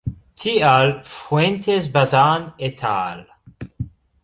Tial Fuentes-Bazan et al.